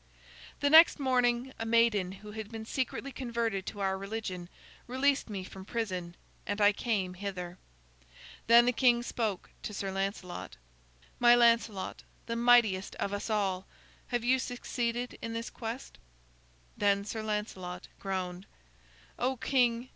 "The next morning, a maiden who had been secretly converted to our religion released me from prison, and I came hither." Then the king spoke to Sir Lancelot. "My Lancelot, the mightiest of us all, have you succeeded in this quest?" Then Sir Lancelot groaned. "O, king!"